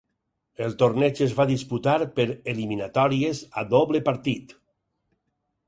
El torneig es va disputar per eliminatòries a doble partit.